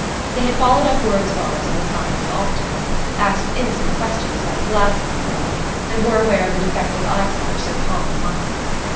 They had followed up words of ours on the science of optics, asked innocent questions about glasses and the like, and were aware of the defective eyesight so common among us.